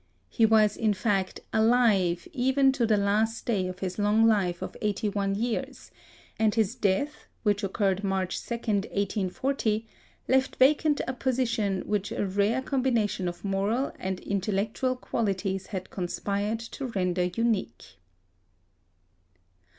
He was, in fact, alive even to the last day of his long life of eighty one years; and his death, which occurred March 2, 1840, left vacant a position which a rare combination of moral and intellectual qualities had conspired to render unique.